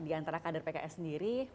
di antara kader pks sendiri